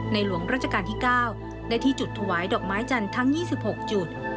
หลวงราชการที่๙ได้ที่จุดถวายดอกไม้จันทร์ทั้ง๒๖จุด